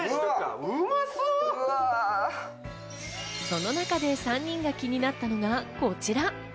その中で３人が気になったのがこちら。